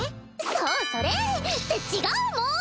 そうそれ！って違うもん！